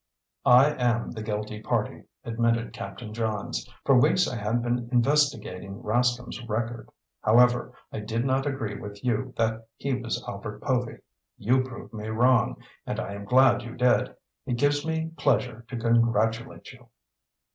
"I am the guilty party," admitted Captain Johns. "For weeks I had been investigating Rascomb's record. However, I did not agree with you that he was Albert Povy. You proved me wrong, and I am glad you did. It gives me pleasure to congratulate you."